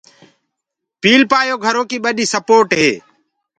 پيٚلپآيو گھرو ڪي ٻڏي سپوٽ هي۔